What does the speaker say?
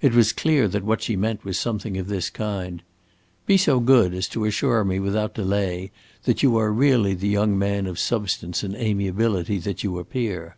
It was clear that what she meant was something of this kind: "Be so good as to assure me without delay that you are really the young man of substance and amiability that you appear."